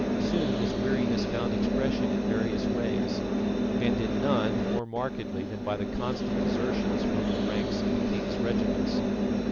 Soon this weariness found expression in various ways, and in none more markedly than by the constant desertions from the ranks of the king's regiments.